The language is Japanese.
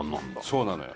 そうなのよ。